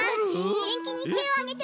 げんきにてをあげて！